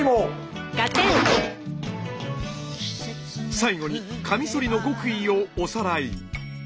最後にカミソリの極意をおさらい。